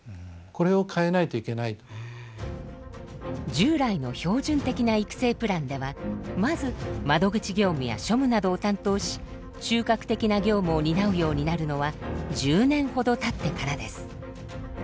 従来の標準的な育成プランではまず窓口業務や庶務などを担当し中核的な業務を担うようになるのは１０年ほどたってからです。